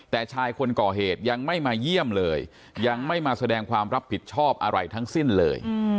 แต่ชายคนก่อเหตุยังไม่มาเยี่ยมเลยยังไม่มาแสดงความรับผิดชอบอะไรทั้งสิ้นเลย